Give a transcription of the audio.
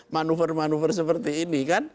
manuver manuver seperti ini kan